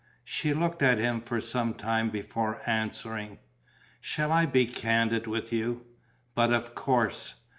She looked at him for some time before answering: "Shall I be candid with you?" "But of course!"